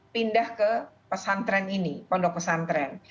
pindah ke pesantren ini pondok pesantren